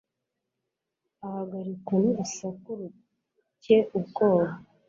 Ahagarikwa n'urusaku rutcye ubwoba.